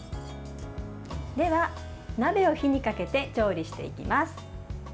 では、鍋を火にかけて調理していきます。